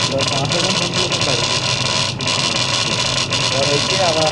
ট্রাম্পের নীতি মার্কিন অর্থনীতিকে ধ্বংস করে দেবে এমন কথাও বলেছিলেন হেলু।